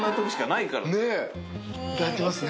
いただきますね。